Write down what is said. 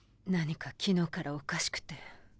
何か昨日からおかしくて。